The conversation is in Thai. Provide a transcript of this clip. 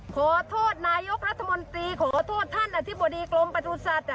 ขอโทษนายกรัฐมนตรีขอโทษท่านอธิบดีกรมประสุทธิ์